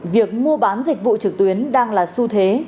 việc mua bán dịch vụ trực tuyến đang là xu thế